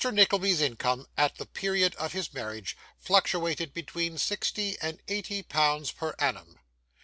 Nickleby's income, at the period of his marriage, fluctuated between sixty and eighty pounds PER ANNUM.